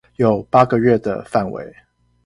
有八個月的範圍